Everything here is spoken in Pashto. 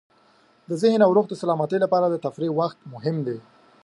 د ذهن او روح د سلامتۍ لپاره د تفریح وخت مهم دی.